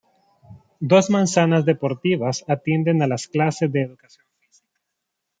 Dos manzanas deportivas atienden a las clases de educación física.